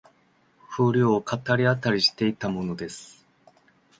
風流を語り合ったりしていたものです